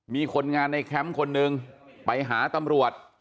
มีคนงานในแคมป์คนหนึ่งไปหาตำรวจ